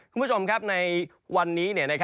คุณผู้ชมในวันนี้